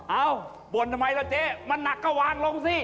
บ่นทำไมล่ะเจ๊มันหนักก็วางลงสิ